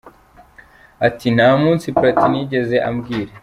Ati: “Nta munsi Platini yigeze ambwira.